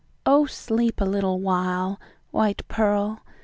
O sleep a little while, white pearl!